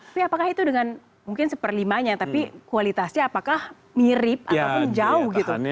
tapi apakah itu dengan mungkin seperlimanya tapi kualitasnya apakah mirip ataupun jauh gitu